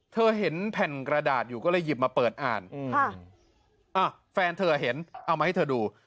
เห็นแผ่นกระดาษอยู่ก็เลยหยิบมาเปิดอ่านแฟนเธอเห็นเอามาให้เธอดู